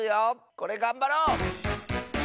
これがんばろう！